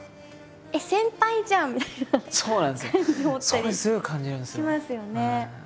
それすごい感じるんですよ。